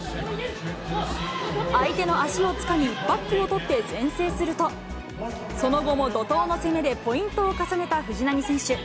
相手の足をつかみ、バックを取って先制すると、その後も怒とうの攻めでポイントを重ねた藤波選手。